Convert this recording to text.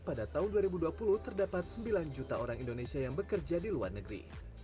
pada tahun dua ribu dua puluh terdapat sembilan juta orang indonesia yang bekerja di luar negeri